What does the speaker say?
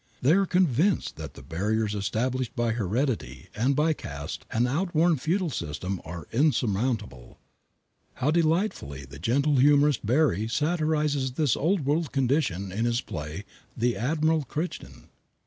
They are convinced that the barriers established by heredity and by caste, an outworn feudal system, are insurmountable. How delightfully the gentle humorist Barrie satirizes this Old World condition in his play, "The Admirable Crichton."